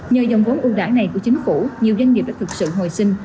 nhờ dòng vốn ưu đãi này của chính phủ nhiều doanh nghiệp đã thực sự hồi sinh